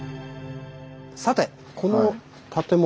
さてこの建物。